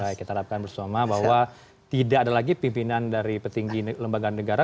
baik kita harapkan bersama bahwa tidak ada lagi pimpinan dari petinggi lembaga negara